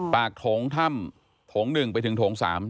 ปากโถงถ้ำโถงหนึ่งไปถึงโถงสาม